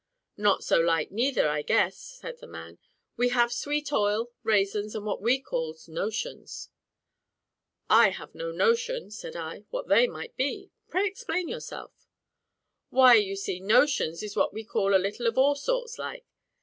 "Not so light neither, I guess," said the man; "we have sweet oil, raisins, and what we calls notions." "I have no notion," said I, "what they might be. Pray explain yourself." "Why, you see, notions is what we call a little of all sorts like.